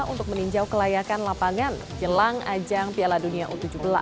untuk meninjau kelayakan lapangan jelang ajang piala dunia u tujuh belas